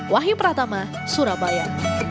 wahyu pratama surabaya